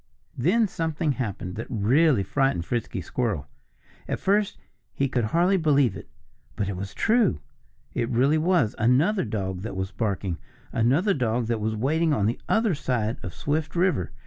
Then something happened that really frightened Frisky Squirrel. At first he could hardly believe it. But it was true. It really was another dog that was barking another dog that was waiting on the other side of Swift River.